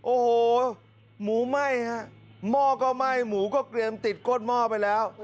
โอ้โหหมูไหม้ฮะหม้อก็ไหม้หมูก็เตรียมติดก้นหม้อไปแล้ว